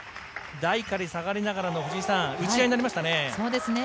台から下がりながらの打ち合いになりましたね。